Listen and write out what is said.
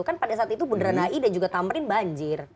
kan pada saat itu bundaran hi dan juga tamrin banjir